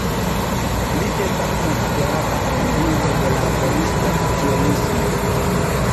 Li estas konsiderata fondinto de Laborista Cionismo.